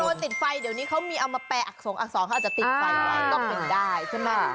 ตัวติดไฟเดี๋ยวนี้เขามีเอามาแปลอักษงอักษรเขาอาจจะติดไฟไว้ก็เป็นได้ใช่ไหม